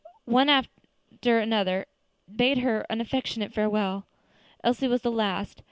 One after another bade her an affectionate farewell. Elsie was the last.